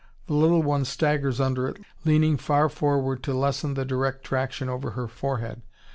The little one staggers under it, leaning far forward to lessen the direct traction over her forehead.